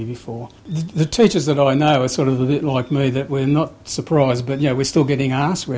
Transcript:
pembelajar yang saya kenal adalah seperti saya kita tidak terkejut tapi kita masih diperoleh